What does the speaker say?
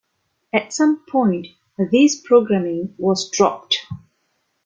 At some point, this programming was dropped.